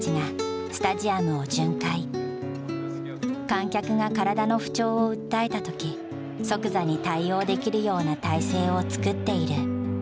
観客が体の不調を訴えた時即座に対応できるような体制を作っている。